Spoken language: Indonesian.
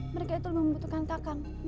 mereka itu lebih membutuhkan kakak